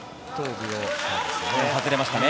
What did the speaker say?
外れましたね。